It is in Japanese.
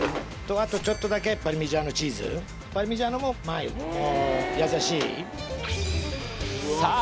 あとちょっとだけパルミジャーノチーズパルミジャーノもさあ